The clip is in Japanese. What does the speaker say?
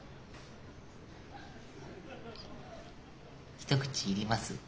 一口いります？